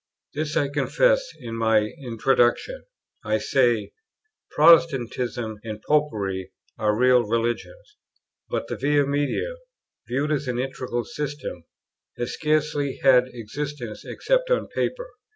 This I confess in my Introduction; I say, "Protestantism and Popery are real religions ... but the Via Media, viewed as an integral system, has scarcely had existence except on paper."